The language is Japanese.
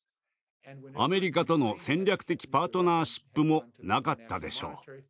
アメリカとの戦略的パートナーシップもなかったでしょう。